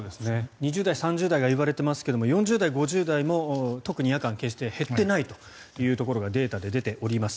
２０代、３０代が言われていますが４０代、５０代も特に夜間は決して減っていないというところがデータで出ております。